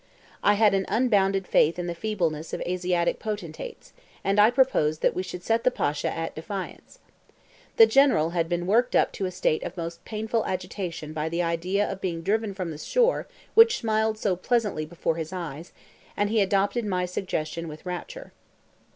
I had an unbounded faith in the feebleness of Asiatic potentates, and I proposed that we should set the Pasha at defiance. The General had been worked up to a state of most painful agitation by the idea of being driven from the shore which smiled so pleasantly before his eyes, and he adopted my suggestion with rapture.